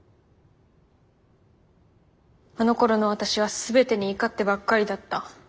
あのころの私は全てに怒ってばっかりだった。